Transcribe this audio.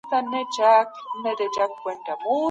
خپل ځان ته